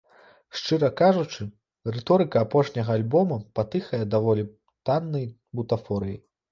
Шчыра кажучы, рыторыка апошняга альбома патыхае даволі таннай бутафорыяй.